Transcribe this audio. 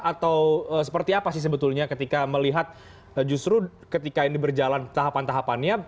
atau seperti apa sih sebetulnya ketika melihat justru ketika ini berjalan tahapan tahapannya